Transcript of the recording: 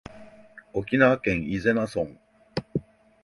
沖縄県伊是名村